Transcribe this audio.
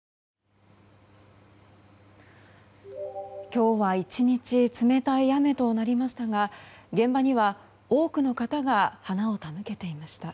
今日は１日冷たい雨となりましたが現場には、多くの方が花を手向けていました。